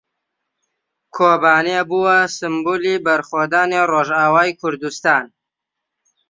کۆبانێ بووە سمبولی بەرخۆدانی ڕۆژاوای کوردستان.